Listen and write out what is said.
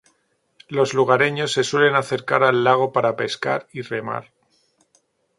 Los lugareños se suelen acercar al lago para pescar y remar.